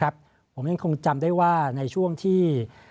ผมยังคงจำได้ว่าในช่วงที่